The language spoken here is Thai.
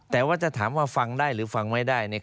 แต่ว่าจะถามว่าฟังได้หรือฟังไม่ได้